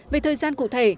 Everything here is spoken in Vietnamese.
về thời gian cụ thể